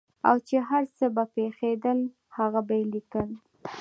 او چې هر څه به پېښېدل هغه به یې لیکل.